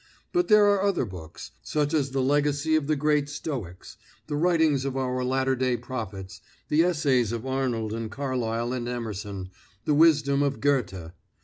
But there are other books, such as the legacy of the great Stoics, the writings of our latter day prophets, the essays of Arnold and Carlyle and Emerson, the wisdom of Goethe.